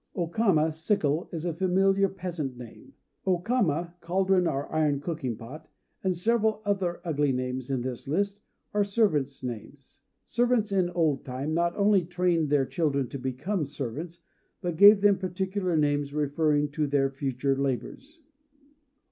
O Kama (Sickle) is a familiar peasant name. O Kama (caldron, or iron cooking pot), and several other ugly names in this list are servants' names. Servants in old time not only trained their children to become servants, but gave them particular names referring to their future labors.